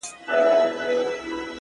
• قربانو زړه مـي خپه دى دا څو عمـر،